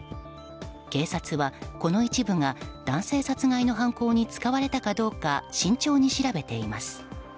警察は、この一部が男性殺害の犯行に使われたかどうか慎重に調べています。